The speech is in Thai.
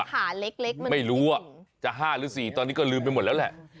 ขาเล็กมันไม่รู้จะ๕หรือ๔ตอนนี้ก็ลืมไปหมดแล้วแหละ